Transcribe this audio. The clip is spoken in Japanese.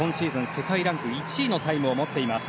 世界ランク１位のタイムを持っています。